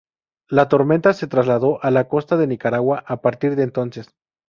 La tormenta se trasladó a la costa de Nicaragua a partir de entonces.